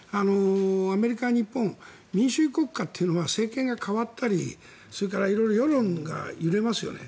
アメリカ、日本民主主義国家というのは政権が代わったりそれから色々世論が揺れますよね。